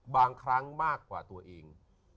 บางครั้งมากกว่าตัวเอง